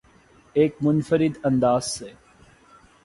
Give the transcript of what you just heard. ایک منفرد انداز سے